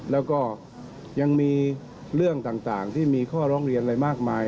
แล้วก็ยังมีเรื่องต่างที่มีข้อร้องเรียนอะไรมากมาย